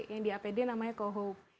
yang di apd namanya co hope